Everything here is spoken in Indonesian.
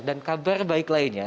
dan kabar baik lainnya